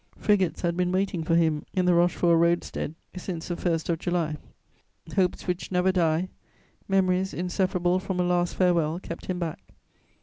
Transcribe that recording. Frigates had been waiting for him in the Rochefort road stead stead since the first of July: hopes which never die, memories inseparable from a last farewell kept him back.